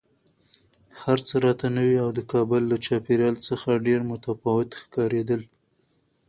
هر څه راته نوي او د کابل له چاپېریال څخه ډېر متفاوت ښکارېدل